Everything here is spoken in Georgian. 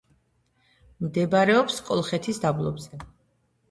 მდებარეობს კოლხეთის დაბლობზე.